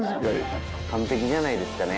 完璧じゃないですかね。